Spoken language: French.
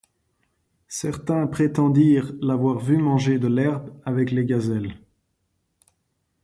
Certains prétendirent l'avoir vu manger de l'herbe avec les gazelles.